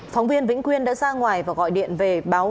phóng viên vĩnh quyên đã ra ngoài và gọi điện về báo